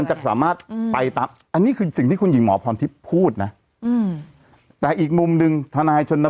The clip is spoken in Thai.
ใช่เราคิดถึงหลักกว่าจริง